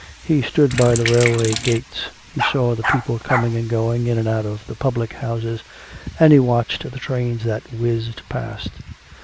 He stood by the railway gates. He saw the people coming and going in and out of the public houses; and he watched the trains that whizzed past.